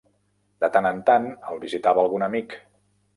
De tant en tant, el visitava algun amic.